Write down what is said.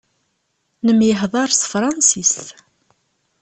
Nemyehḍaṛ s tefransist.